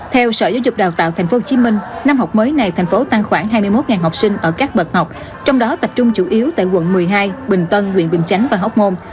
theo sở giáo dục đào tạo tp hcm năm học mới này thành phố tăng khoảng hai mươi một học sinh ở các bậc học trong đó tập trung chủ yếu tại quận một mươi hai bình tân nguyện bình chánh và hóc môn